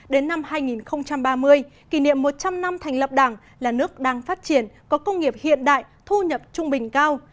đến năm hai nghìn ba mươi kỷ niệm một trăm linh năm thành lập đảng là nước đang phát triển có công nghiệp hiện đại thu nhập trung bình cao